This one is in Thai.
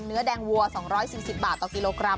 เนื้อแดงวัว๒๔๐บาทต่อกิโลกรัม